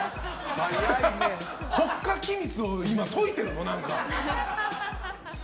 国家機密を解いているの？